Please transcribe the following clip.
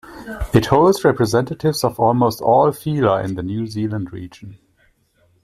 It holds representatives of almost all phyla in the New Zealand region.